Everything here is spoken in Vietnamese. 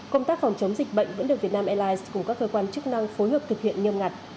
công tác phòng chống dịch bệnh vẫn được vietnam airlines cùng các cơ quan chức năng phối hợp thực hiện nhâm ngặt